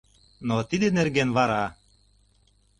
Но тидын нерген вара.